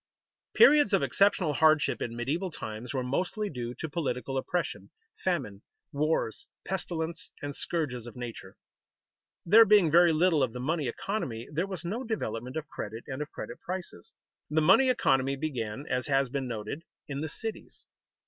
_ Periods of exceptional hardship in medieval times were mostly due to political oppression, famine, wars, pestilence, and scourges of nature. There being very little of the money economy, there was no development of credit and of credit prices. The money economy began, as has been noted, in the cities.